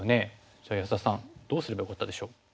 じゃあ安田さんどうすればよかったでしょう？